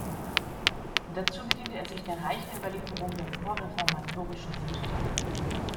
Dazu bediente er sich der reichen Überlieferung der vorreformatorischen Mystik.